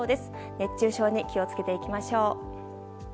熱中症に気を付けていきましょう。